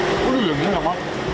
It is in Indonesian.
aduh dagingnya enggak enggak